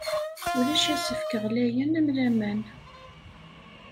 Ulac asefk ɣlayen am laman.